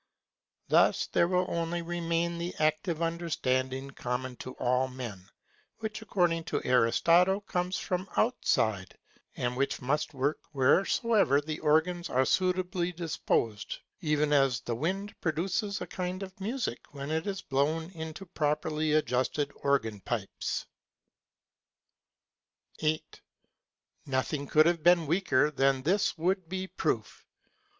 Thus there will only remain the active understanding common to all men, which according to Aristotle comes from outside, and which must work wheresoever the organs are suitably disposed; even as the wind produces a kind of music when it is blown into properly adjusted organ pipes. 8. Nothing could have been weaker than this would be proof.